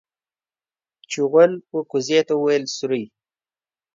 چغول و کوزې ته ويل سورۍ.